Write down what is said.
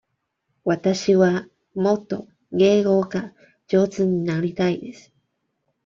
わたしはもっと英語が上手になりたいです。